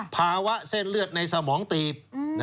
ภาวะเส้นเลือดในสมองตีบ